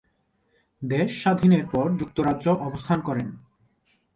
দেশ স্বাধীনের পর যুক্তরাজ্য অবস্থান করেন।